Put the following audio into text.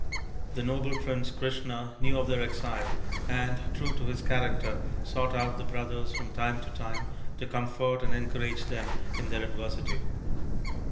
The noble prince Krishna knew of their exile, and, true to his character, sought out the brothers from time to time to comfort and encourage them in their adversity.